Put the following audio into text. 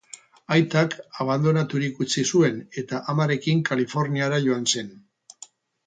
Aitak abandonaturik utzi zuen eta amarekin Kaliforniara joan zen.